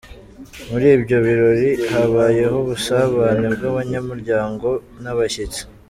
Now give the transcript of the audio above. Muri ibyo birori, habayeho ubusabane bw’abanyamuryango n’abashyitsi.